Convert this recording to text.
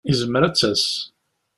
Izmer ad d-tas.